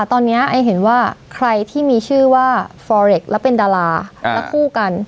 ตอนเนี้ยไอเห็นว่าใครที่มีชื่อว่าแล้วเป็นดาราแล้วคู่กัน